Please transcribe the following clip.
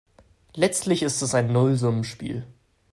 Letztlich ist es ein Nullsummenspiel.